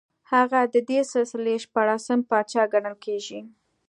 هغه د دې سلسلې شپاړسم پاچا ګڼل کېږي